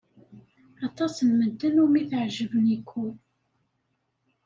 Aṭas n medden umi teɛjeb Nikko.